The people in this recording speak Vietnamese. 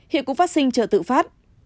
hiện cũng phát sinh chợ tự phát